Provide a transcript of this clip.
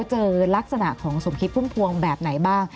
เจอลักษณะของสมคิดพุ่มพวงแบบไหนบ้าง